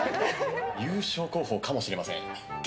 優勝候補かもしれません。